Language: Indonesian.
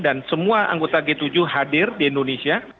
dan semua anggota g tujuh hadir di indonesia